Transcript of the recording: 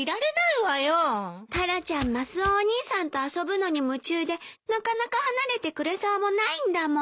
タラちゃんマスオお兄さんと遊ぶのに夢中でなかなか離れてくれそうもないんだもん。